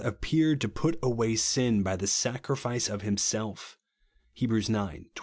peared, to put away sin by the sacrifice of himself," (Heb. ix. 26).